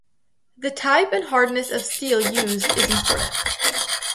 The type and hardness of steel used is important.